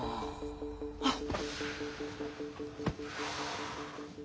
あっ！